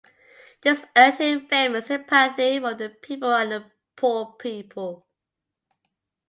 This earned him fame and sympathy from the people and the poor people.